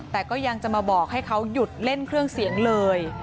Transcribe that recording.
แต่ก็ยังจะมาบอกให้เขาหยุดเล่นเครื่องเสียงเลย